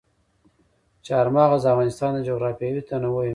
چار مغز د افغانستان د جغرافیوي تنوع یو مثال دی.